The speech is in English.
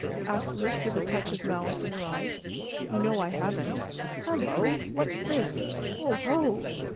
asked Lys, with a touch of malice in her eyes. "You know I haven't. Hello! What's this? Oho!